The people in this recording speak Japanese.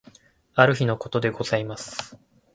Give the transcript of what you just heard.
ある日の事でございます。